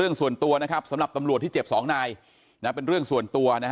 ยืนยันว่ารุ่นนี้เป็นร่วมส่วนตัว